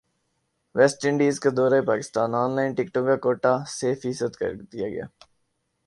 waste Indies کا دورہ Pakistan online ٹکٹوں کاکوٹہ سے فیصد کردیاگیا